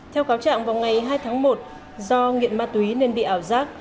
theo cáo trạng vào ngày hai tháng một do nghiện ma túy nên bị ảo giác